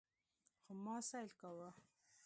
خو ما سيل کاوه.